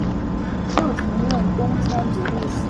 又曾任东川节度使。